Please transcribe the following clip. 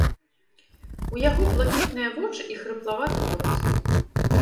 У яго блакітныя вочы і хрыплаваты голас.